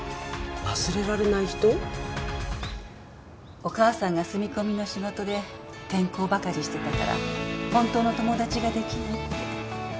お母さんが住み込みの仕事で転校ばかりしてたから本当の友達が出来ないって。